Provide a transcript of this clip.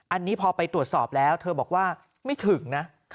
อันนี้พอไปตรวจสอบแล้วเธอบอกว่าไม่ถึงนะ